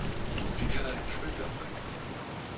Wie kann er ein Schwindler sein?